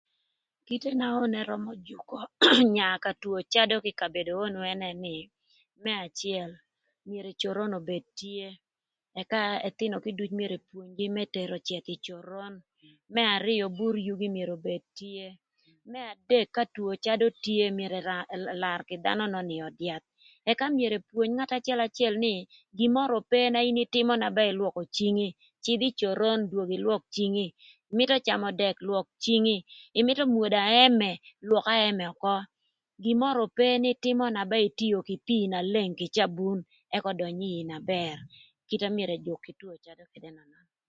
Kite na onu ërömö jükö nya ka two cadö kï kabedo onu ënë nï më acël myero coron obed tye ëka ëthïnö kïduc myero epwonygï më tero cëth ï coron. Më arïö bur yugi myero obed tye. Më adek ka two cadö tye myero ëlar kï dhanö nön ï öd yath ëka myero epwony ngat acëlacël nï gin mörö ope na ïtïmö na ba ïlwökö cingi cïdhï ï coron dwong ïlwök cingi ïmïtö camö dëk lwök cingi, ïmïtö mwodo aëmë lwök aëmë ökö gin mörö ope nï tïmö na ba itio kï pii na leng ëk ödöny ï ïï na bër kite na myero ëgwök kï two cadö ënön.